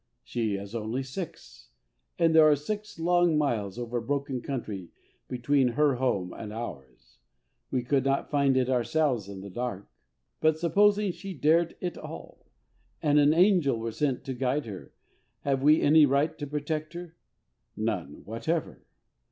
She is only six, and there are six long miles over broken country between her home and ours. We could not find it ourselves in the dark. But supposing she dared it all, and an angel were sent to guide her, have we any right to protect her? None whatever.